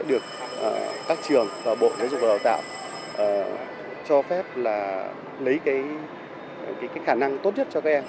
được các trường và bộ giáo dục và đào tạo cho phép là lấy cái khả năng tốt nhất cho các em